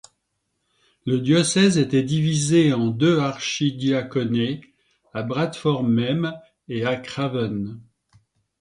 Le diocèse était divisé en deux archidiaconés, à Bradford même et à Craven.